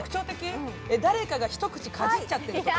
誰かが１口かじっちゃっているとか。